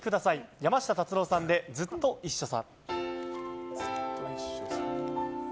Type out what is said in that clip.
山下達郎さんで「ずっと一緒さ」。